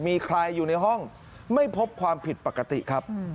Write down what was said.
มีใครอยู่ในห้องไม่พบความผิดปกติครับ